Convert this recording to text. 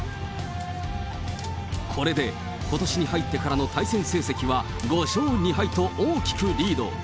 これで、ことしに入ってからの対戦成績は５勝２敗と大きくリード。